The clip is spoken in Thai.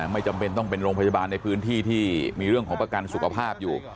ไม่จำเป็นต้องเป็นโรงพยาบาลในพื้นที่ที่มีเรื่องของประกันสุขภาพอยู่